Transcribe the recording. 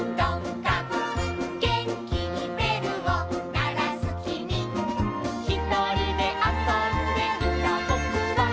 「げんきにべるをならすきみ」「ひとりであそんでいたぼくは」